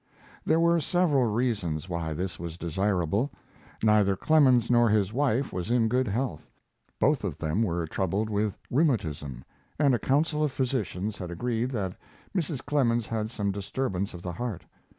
There were several reasons why this was desirable. Neither Clemens nor his wife was in good health. Both of them were troubled with rheumatism, and a council of physicians had agreed that Mrs. Clemens had some disturbance of the heart.